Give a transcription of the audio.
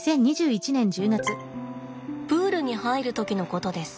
プールに入る時のことです。